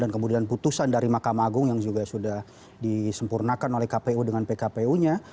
dan kemudian putusan dari makam agung yang juga sudah disempurnakan oleh kpu dengan pkpu nya